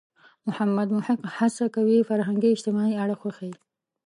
محمد محق هڅه کوي فرهنګي – اجتماعي اړخ وښيي.